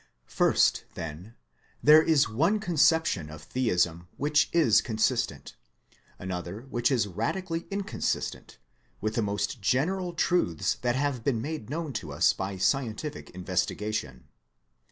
First, then: there is one conception of Theism THEISM 135 which is consistent, another which is radically incon sistent, with the most general truths that have been made known to us by scientific investigation.